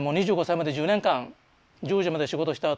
２５歳まで１０年間１０時まで仕事した